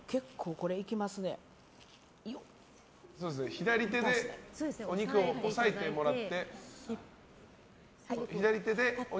左手でお肉を押さえてもらって。